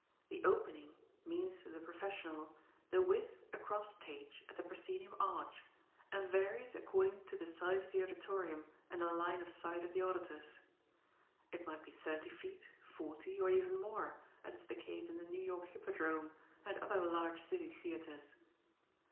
"The opening" means to the professional the width across stage at the proscenium arch, and varies according to the size of the auditorium and the line of sight of the auditors. It may be thirty feet, forty, or even more, as is the case in the New York Hippodrome and other large city theatres.